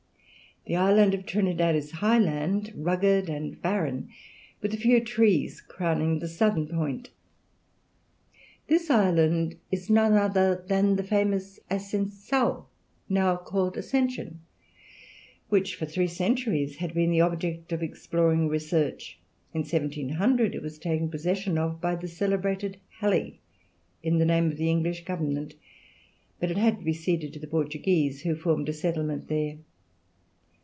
The island of Trinidad is high land, rugged and barren, with a few trees crowning the southern point. This island is none other than the famous Ascençao now called Ascension which for three centuries had been the object of exploring research. In 1700 it was taken possession of by the celebrated Halley in the name of the English Government, but it had to be ceded to the Portuguese, who formed a settlement there.